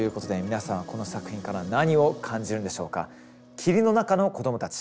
「霧の中の子どもたち」